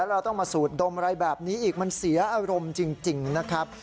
เราต้องมาสูดดมอะไรแบบนี้อีกมันเสียอารมณ์จริงนะครับ